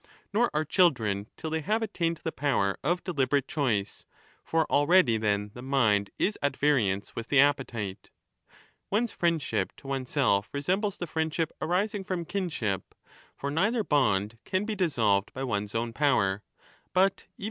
Nor are children, till they have attained the power of deliberate choice ; for already then the mind is at variance with the appetite. One's friendship to oneself 35 resembles the friendship arising from kinship ; for neither bond can be dissolved by one's own power ; but, even if ^ 8tj for Se (Jaclison).